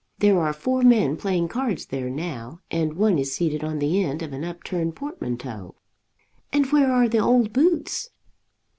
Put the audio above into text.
There are four men playing cards there now, and one is seated on the end of an upturned portmanteau." "And where are the old boots?"